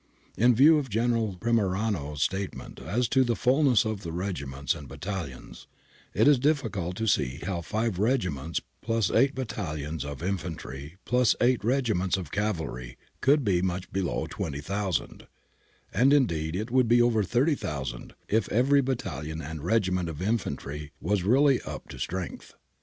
In view of General Frimerano's statement as to the fullness of the regiments and battalions, it is difficult to see how five regiments + eight battalions of infantry + eight regiments of cavalry could be much below 20,000, and indeed it would be over 30,000 if every battalion and regiment of infantry was really up to strength.